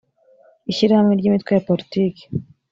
ishyirahamwe ry’imitwe ya politiki